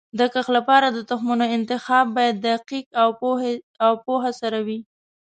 د کښت لپاره د تخمونو انتخاب باید دقیق او پوهه سره وي.